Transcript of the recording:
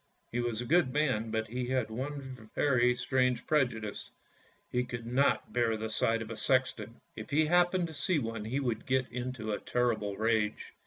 He was a good man, but he had one very strange prejudice — he could not bear the sight of a sexton. If he happened to see one he would get into a terrible rage.